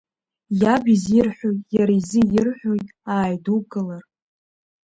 Иаб изы ирҳәои иара изы ирҳәои ааидукылар…